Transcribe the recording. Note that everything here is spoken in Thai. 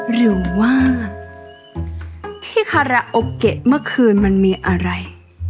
หรือว่าที่คาราโอเกะเมื่อคืนมันมีอะไร